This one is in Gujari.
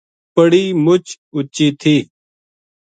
پڑی مُچ اُچی تھی